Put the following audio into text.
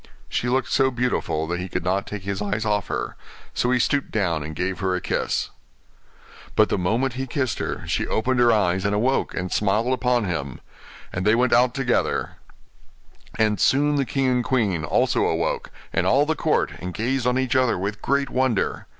She looked so beautiful that he could not take his eyes off her, so he stooped down and gave her a kiss. But the moment he kissed her she opened her eyes and awoke, and smiled upon him; and they went out together; and soon the king and queen also awoke, and all the court, and gazed on each other with great wonder.